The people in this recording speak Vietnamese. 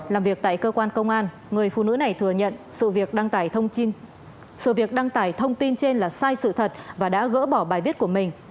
làm việc tại cơ quan công an người phụ nữ này thừa nhận sự việc đăng tải thông tin trên là sai sự thật và đã gỡ bỏ bài viết của mình